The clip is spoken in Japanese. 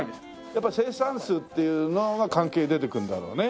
やっぱり生産数っていうのは関係出てくるんだろうね。